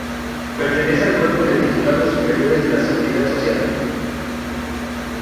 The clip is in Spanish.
Pertenece al Cuerpo de Titulados Superiores de la Seguridad Social.